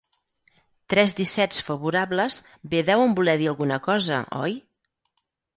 Tres dissets favorables bé deuen voler dir alguna cosa, oi?